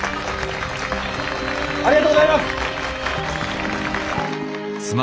ありがとうございます！